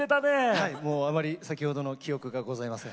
はいもうあまり先ほどの記憶がございません。